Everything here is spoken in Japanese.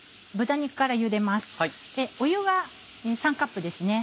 湯が３カップですね。